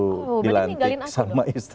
oh berarti tinggalin aja dulu